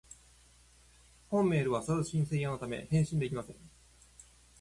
本メールは送信専用のため、返信できません